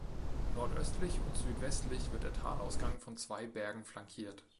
Nordöstlich und südwestlich wird der Talausgang von zwei Bergen flankiert.